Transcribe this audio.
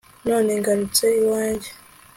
none ngarutse iwanjye